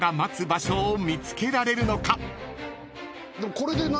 これで何？